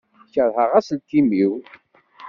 Kerheɣ aselkim-iw.